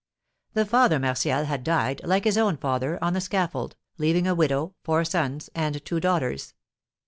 The Father Martial had died, like his own father, on the scaffold, leaving a widow, four sons, and two daughters.